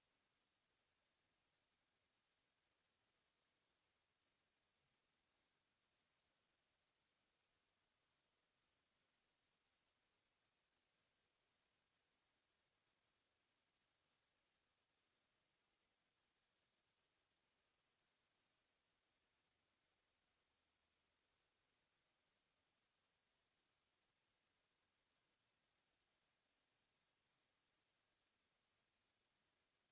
โปรดติดตามต่อไป